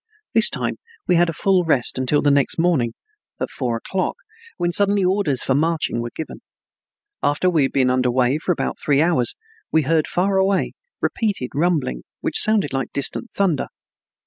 This time we had a full rest until the next morning at four o'clock, when suddenly orders for marching were given. After we had been under way for about three hours we heard far away, repeated rumbling which sounded like distant thunder.